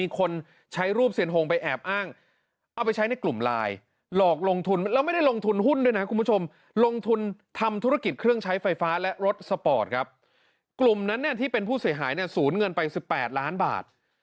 กลุ่มนั้นที่เป็นผู้เสียหายเนี่ยสูญเงินไป๑๘ล้านบาท